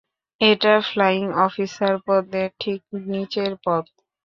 এটা flying officer পদের ঠিক নিচের পদ।